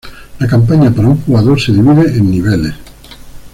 La campaña para un jugador se divide en niveles.